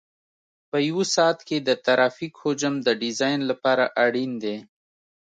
په یو ساعت کې د ترافیک حجم د ډیزاین لپاره اړین دی